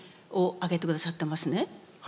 挙げて下さってますね。